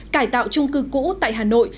cải tạo trung cư cũ tại hà nội